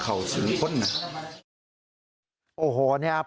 สายลูกไว้อย่าใส่